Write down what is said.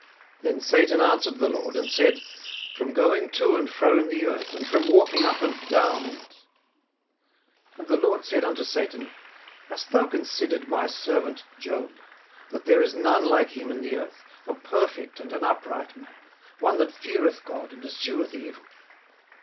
Then Satan answered the LORD, and said, From going to and fro in the earth, and from walking up and down in it. 18:001:008 And the LORD said unto Satan, Hast thou considered my servant Job, that there is none like him in the earth, a perfect and an upright man, one that feareth God, and escheweth evil?